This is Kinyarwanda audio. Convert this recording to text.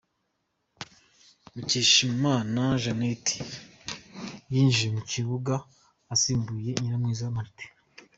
Mukeshimana Jeannette yinjiye mu kibuga asimbuye Nyiramwiza Marthe